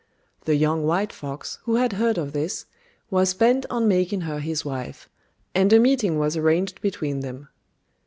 The young white fox, who had heard of this, was bent on making her his wife, and a meeting was arranged between them.